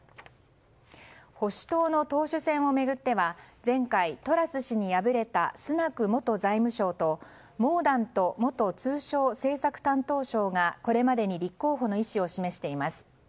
保守党の党首選を巡っては、前回トラス氏に敗れたスナク元財務相とモーダント元通商政策担当相がこれまでに立候補の意思を示しています。